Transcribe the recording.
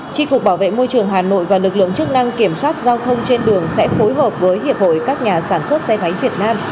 tri cục bảo vệ môi trường hà nội và lực lượng chức năng kiểm soát giao thông trên đường sẽ phối hợp với hiệp hội các nhà sản xuất xe máy việt nam